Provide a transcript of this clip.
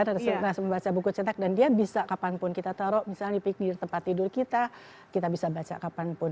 harus membaca buku cetak dan dia bisa kapanpun kita taruh misalnya di pinggir tempat tidur kita kita bisa baca kapanpun